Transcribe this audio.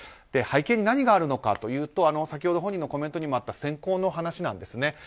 背景に何があるのかというと先ほど本人のコメントにもあった選考の話なんですね。